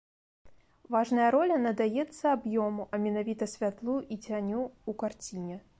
Важная роля надаецца аб'ёму, а менавіта святлу і цяню ў карціне.